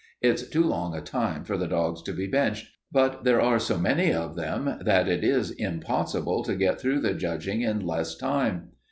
It's too long a time for the dogs to be benched, but there are so many of them that it is impossible to get through the judging in less time.